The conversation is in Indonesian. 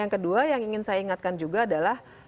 yang kedua yang ingin saya ingatkan juga adalah